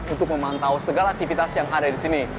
untuk memantau segala aktivitas yang ada di sini